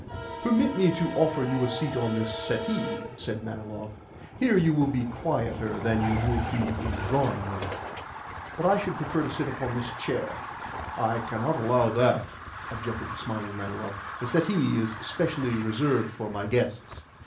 "Permit me to offer you a seat on this settee," said Manilov. "Here you will be quieter than you would be in the drawing room." "But I should prefer to sit upon this chair." "I cannot allow that," objected the smiling Manilov. "The settee is specially reserved for my guests.